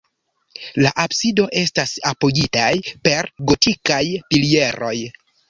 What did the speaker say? La absido estas apogitaj per gotikaj pilieroj.